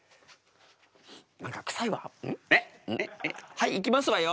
はいいきますわよ。